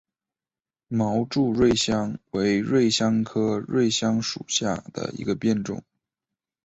毛柱瑞香为瑞香科瑞香属下的一个变种。